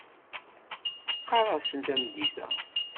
Ɣer-asen tameddit-a.